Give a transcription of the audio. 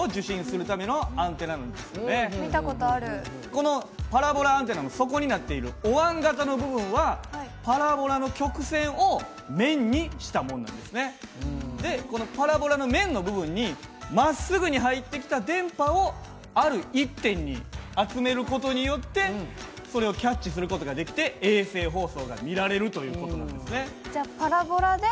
このパラボラアンテナの底になっているおわん形の部分はパラボラの面の部分にまっすぐに入ってきた電波をある１点に集める事によってそれをキャッチする事ができて衛星放送が見られるという事なんですね。